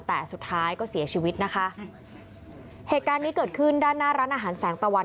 แต่สุดท้ายก็เสียชีวิตนะคะเหตุการณ์นี้เกิดขึ้นด้านหน้าร้านอาหารแสงตะวัน